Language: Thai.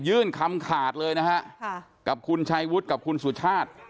คำขาดเลยนะฮะกับคุณชัยวุฒิกับคุณสุชาติ